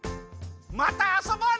またあそぼうね！